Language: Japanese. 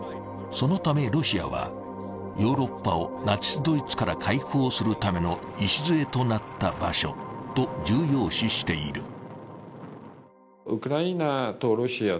そのためロシアはヨーロッパをナチスドイツから解放するための礎となった場所と重要視している。